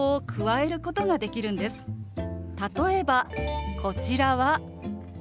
例えばこちらは。